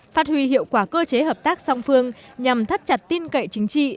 phát huy hiệu quả cơ chế hợp tác song phương nhằm thắt chặt tin cậy chính trị